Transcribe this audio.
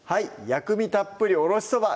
「薬味たっぷりおろしそば」